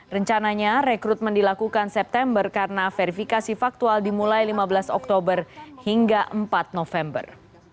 rencananya rekrutmen dilakukan september karena verifikasi faktual dimulai lima belas oktober hingga empat november